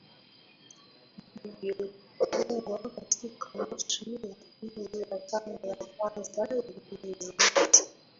vilivyotungwa katika nusu ya pili ya karne ya kwanza vilizidi